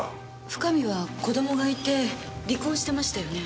深見は子供がいて離婚してましたよね？